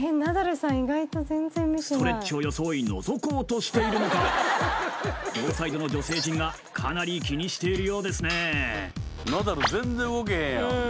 ストレッチを装い覗こうとしているのか両サイドの女性陣がかなり気にしているようですね